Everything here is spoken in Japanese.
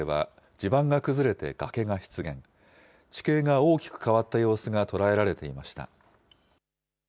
地形が大きく変わった様子が捉えられていました。